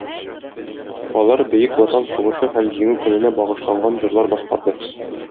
Алар Бөек Ватан сугышы һәм Җиңү көненә багышланган җырлар башкарды.